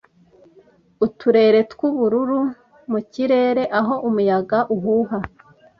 uturere twubururu mu kirere aho umuyaga uhuha